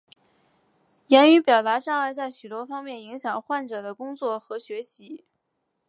言语表达障碍在许多方面影响患者的工作和学习。